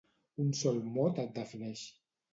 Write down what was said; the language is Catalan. Un sol mot et defineix.